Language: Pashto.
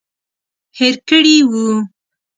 هېر کړي وو.